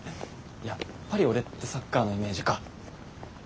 やっぱり俺ってサッカーのイメージか。